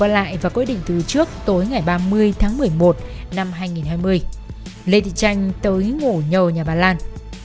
sau vài lần qua lại và quyết định từ trước tối ngày ba mươi tháng một mươi một năm hai nghìn hai mươi lê thị tranh tới ngủ nhờ nhà bà lan